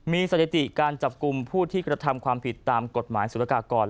มีสถิติการจับกลุ่มผู้ที่กระทำความผิดตามกฎหมายสุรกากร